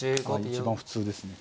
一番普通ですね。